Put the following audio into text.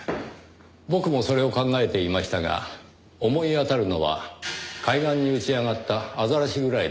僕もそれを考えていましたが思い当たるのは海岸に打ち上がったアザラシぐらいですね。